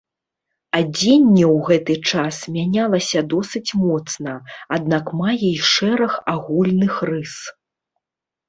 Адзенне ў гэты час мянялася досыць моцна, аднак мае і шэраг агульных рыс.